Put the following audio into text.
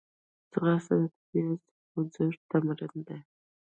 ځغاسته د طبیعي خوځښت تمرین دی